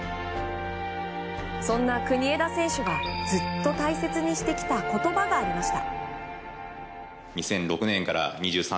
そんな国枝選手がずっと大切にしてきた言葉がありました。